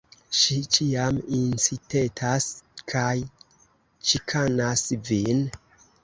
Ŝi ĉiam incitetas kaj ĉikanas vin!